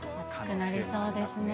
暑くなりそうですね。